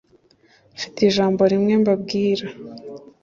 “Mfite ijambo rimwe mbabwira